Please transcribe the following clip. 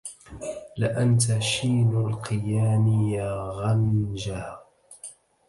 لأنت شين القيان يا غنجه